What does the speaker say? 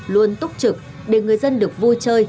luôn túc trực để người dân được vui chơi